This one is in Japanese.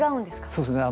そうですね。